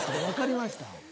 わかりました。